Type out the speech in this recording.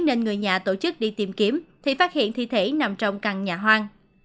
nên người nhà tổ chức đi tìm kiếm thì phát hiện thi thể nằm trong căn nhà hoang